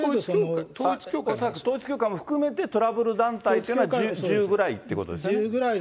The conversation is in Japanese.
統一教会も含めて、トラブル団体というのは１０ぐらいっていうことですね。